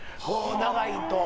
長いと。